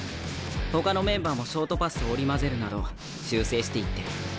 ほかのメンバーもショートパスを織り交ぜるなど修正していってる。